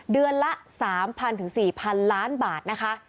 เดือนละ๓๐๐๔๐๐๐ล้านบาทนะคะ